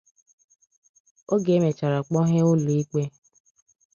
Oge e mechara kpọghee ụlọikpe